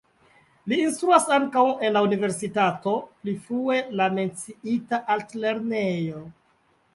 Li instruas ankaŭ en la universitato (pli frue la menciita altlernejo).